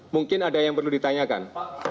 mungkin ada yang perlu ditanyakan